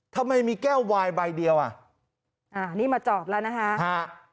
ทำไมมีแก้ววายใบเดียวอ่ะอ่านี่มาจอดแล้วนะฮะฮะ